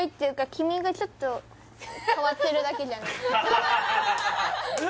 君がちょっと変わってるだけじゃない？